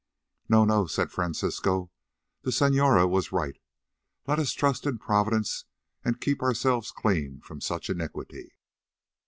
"No, no," said Francisco, "the senora was right. Let us trust in Providence and keep ourselves clean from such iniquity."